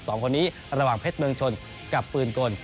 สองคนนี้ระหว่างเพชรเมืองชนกับปืนกล